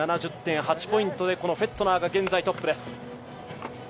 ２７０．８ポイントでフェットナーが現在トップです。